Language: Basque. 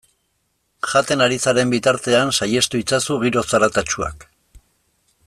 Jaten ari zaren bitartean saihestu itzazu giro zaratatsuak.